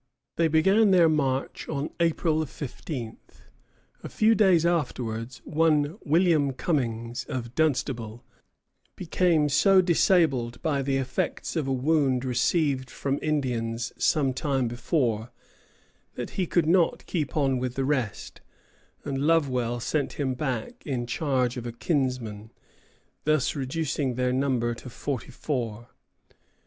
They began their march on April 15. A few days afterwards, one William Cummings, of Dunstable, became so disabled by the effects of a wound received from Indians some time before, that he could not keep on with the rest, and Lovewell sent him back in charge of a kinsman, thus reducing their number to forty four.